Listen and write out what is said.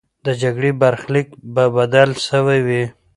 د جګړې برخلیک به بدل سوی وي.